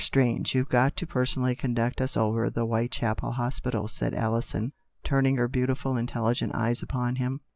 Strange, you've got to personally conduct us over the Whitechapel Hospital," said Alison, turning her beautiful, intelligent eyes upon him.